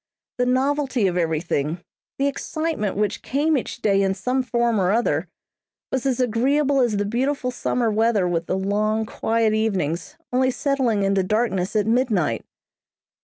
The novelty of everything, the excitement which came each day in some form or other, was as agreeable as the beautiful summer weather with the long, quiet evenings only settling into darkness at midnight.